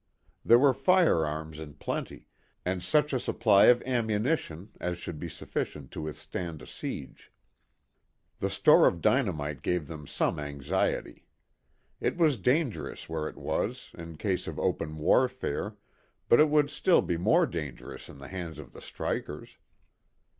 There were firearms in plenty, and such a supply of ammunition as should be sufficient to withstand a siege. The store of dynamite gave them some anxiety. It was dangerous where it was, in case of open warfare, but it would be still more dangerous in the hands of the strikers.